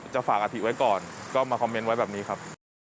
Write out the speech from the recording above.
ฝากอธิไว้ก่อนก็มาคอมเมนต์ไว้แบบนี้ครับ